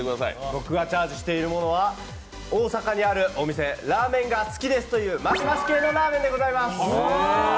僕がチャージしているものは大阪にあるお店、ラーメンが好きですというお店のマシマシ系のラーメンでございます。